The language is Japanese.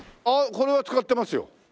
ああこれは使ってますよ